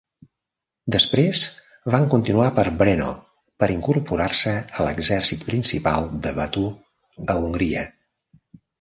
Després, van continuar per Brno, per incorporar-se a l"exèrcit principal de Batu a Hongria.